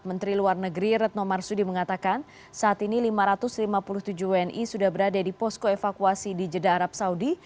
menteri luar negeri retno marsudi mengatakan saat ini lima ratus lima puluh tujuh wni sudah berada di posko evakuasi di jeddah arab saudi